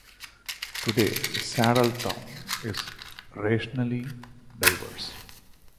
Today, Saddlertown is racially diverse.